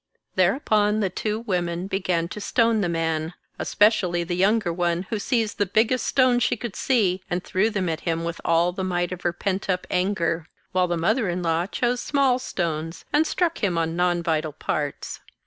Thereupon the two women began to stone the man, es pecially the younger one, who seized the biggest stones she could see and threw them at him with all the might of her pent up anger; while the mother in law chose small stones and struck him on non vital parts.